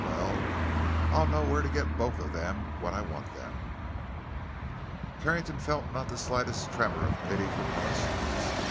"Well, I'll know where to get both of them when I want them." Carrington felt not the slightest tremor of pity for Parsons.